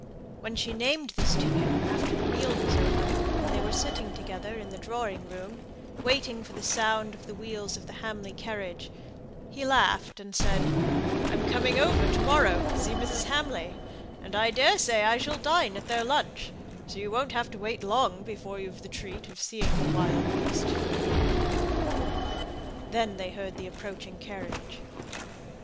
When she named this to him after the meal was over, and they were sitting together in the drawing room, waiting for the sound of the wheels of the Hamley carriage, he laughed, and said, "I'm coming over to morrow to see Mrs. Hamley; and I daresay I shall dine at their lunch; so you won't have to wait long before you've the treat of seeing the wild beast feed." Then they heard the approaching carriage.